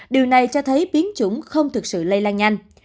điều này cho thấy biến chủng không thực sự lây lan nhanh